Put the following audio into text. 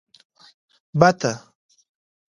🪿بته